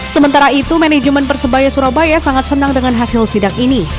sementara itu manajemen persebaya surabaya sangat senang dengan hasil sidak ini